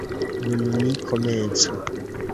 Nun ni komencu.